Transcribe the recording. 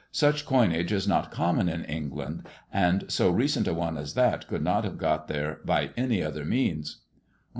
Such coinage is not common in England, and so recent a one as that could not have got there by any other moans."